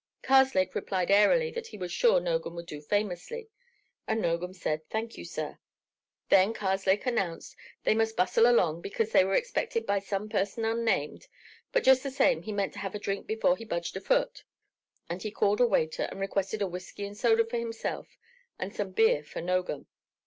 Karslake replied airily that he was sure Nogam would do famously, and Nogam said "Thank you, sir." Then Karslake announced they must bustle along, because they were expected by some person unnamed, but just the same he meant to have a drink before he budged a foot. And he called a waiter and requested a whiskey and soda for himself and some beer for Nogam....